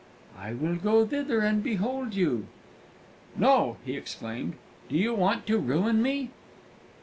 "I will go thither and behold you." "No!" he exclaimed. "Do you want to ruin me?"